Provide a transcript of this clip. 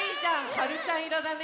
はるちゃんいろだね！